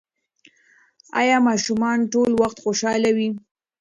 ایا ماشومان ټول وخت خوشحاله وي؟